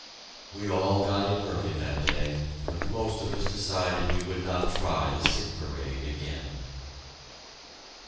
We all got in early that day, but most of us decided we would not try the "sick parade" again.